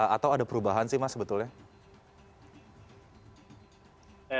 atau ada perubahan sih mas sebetulnya